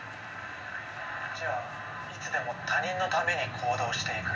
じゃあいつでも他人のために行動して行く。